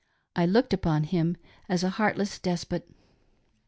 I looked upon him as a heartless despot.